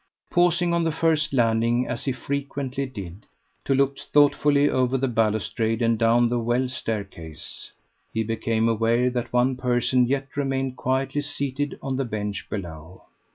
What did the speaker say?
Pausing on the first landing, as he frequently did, to look thoughtfully over the balustrade and down the well staircase, he became aware that one person yet remained quietly seated on the bench below.